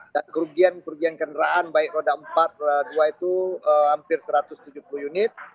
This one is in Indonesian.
dan kerugian kerugian kendaraan baik roda empat dua itu hampir satu ratus tujuh puluh unit